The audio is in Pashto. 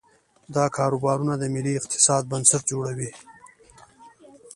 دا کاروبارونه د ملي اقتصاد بنسټ جوړوي.